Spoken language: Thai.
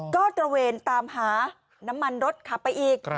ก็ตระเวนตามหาน้ำมันรถขับไปอีก